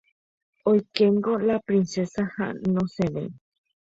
Oikéngo la princesa ha nosẽvéi.